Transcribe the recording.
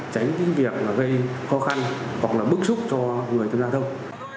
tránh việc gây khó khăn hoặc bức xúc cho người tương lai thông